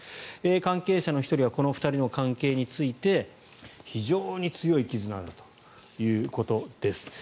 関係者の１人はこの２人の関係について非常に強い絆があるということです。